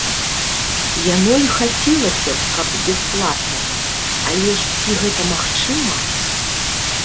Яно і хацелася б, каб бясплатная, але ж ці гэта магчыма?